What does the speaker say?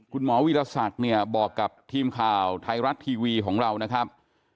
คุณหมอวีรศักดิ์เนี่ยบอกกับทีมข่าวไทยรัฐทีวีของเรานะครับ